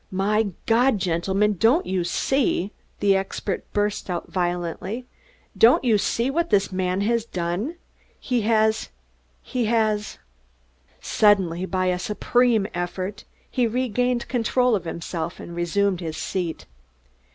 "My God, gentlemen, don't you see?" the expert burst out violently. "Don't you see what this man has done? He has he has " Suddenly, by a supreme effort, he regained control of himself, and resumed his seat.